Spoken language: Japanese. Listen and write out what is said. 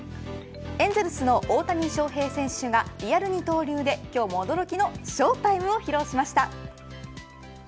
エンゼルスの大谷翔平選手がリアル二刀流で今日も驚きのショータイムを披露しました。